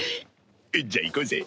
じゃあ行こうぜ。